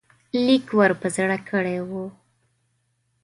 لیک ور په زړه کړی وو.